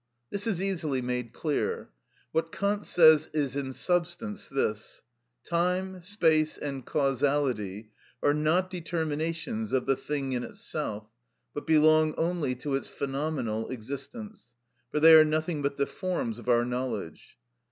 This is easily made clear. What Kant says is in substance this:—"Time, space, and causality are not determinations of the thing in itself, but belong only to its phenomenal existence, for they are nothing but the forms of our knowledge.